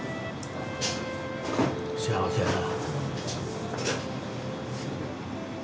幸せやな。